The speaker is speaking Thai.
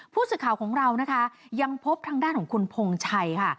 ผู้สื่อข่าวของเรานะคะยังพบทางด้านของคุณพงชัยค่ะ